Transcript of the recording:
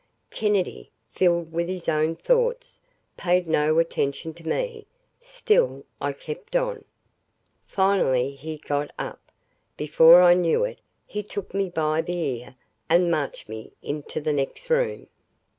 Kennedy, filled with his own thoughts, paid no attention to me. Still, I kept on. Finally he got up and, before I knew it, he took me by the ear and marched me into the next room.